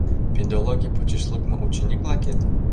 Педологий почеш лукмо ученик-влакет?